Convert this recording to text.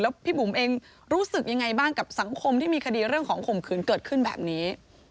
พี่บุ๋มเองรู้สึกยังไงบ้างกับสังคมที่มีคดีเรื่องของข่มขืนเกิดขึ้นแบบนี้